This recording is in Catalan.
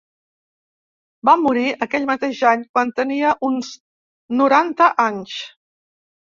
Va morir aquell mateix any quan tenia uns noranta anys.